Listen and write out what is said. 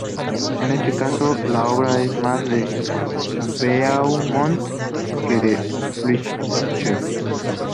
En este caso, la obra es más de Beaumont que de Fletcher.